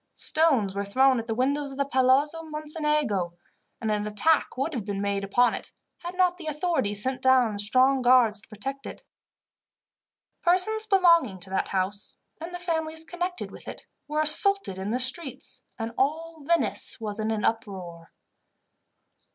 Stones were thrown at the windows of the Palazzo Mocenigo, and an attack would have been made upon it, had not the authorities sent down strong guards to protect it. Persons belonging to that house, and the families connected with it, were assaulted in the streets, and all Venice was in an uproar.